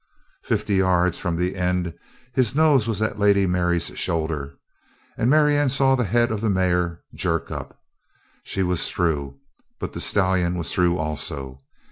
Fifty yards from the end his nose was at Lady Mary's shoulder and Marianne saw the head of the mare jerk up. She was through but the stallion was through also.